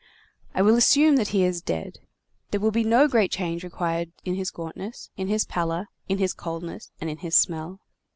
I will assume that he is dead. There will be no great change required in his gauntness, in his pallor, in his coldness, and in his smell.